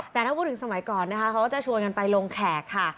แต่ถ้าพูดถึงสมัยก่อนนะคะเขาก็จะชวนกันไปลงแขกค่ะ